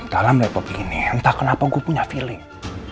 dalam republik ini entah kenapa gue punya feeling